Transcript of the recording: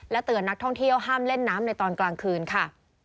เตือนนักท่องเที่ยวห้ามเล่นน้ำในตอนกลางคืนค่ะ